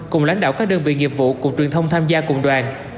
cùng lãnh đạo các đơn vị nghiệp vụ cục truyền thông tham gia cùng đoàn